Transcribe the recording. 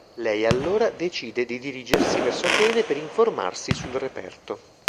Lei allora, decide di dirigersi verso Atene per informarsi sul reperto.